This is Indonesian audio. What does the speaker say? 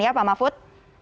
ya pak mahfud